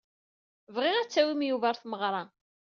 Bɣiɣ ad tawim Yuba ɣer tmeɣra.